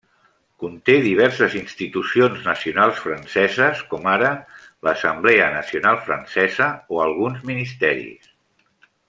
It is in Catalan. Conté diverses institucions nacionals franceses, com ara l'Assemblea Nacional Francesa o alguns ministeris.